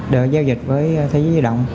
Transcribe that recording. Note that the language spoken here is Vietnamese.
để giao dịch với thế giới duy động